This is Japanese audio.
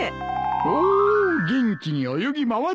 おお元気に泳ぎ回っとる。